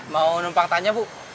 mau numpang tanya bu